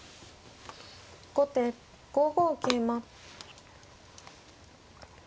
後手５五桂馬。